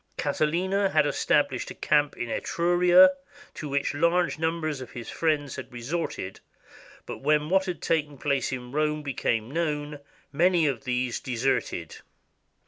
Catiline had established a camp in Etruria, to which large numbers of his friends had resorted, but when what had taken place in Rome became known, many of these de serted.